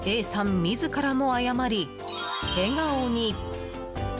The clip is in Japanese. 自らも謝り、笑顔に。